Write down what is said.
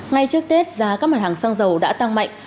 ngay trước tết giá các mặt hàng xăng dầu đã tăng mạnh